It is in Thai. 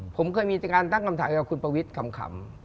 ผมเคยมีการตั้งคำถามกับคุณประวิทย์ขำ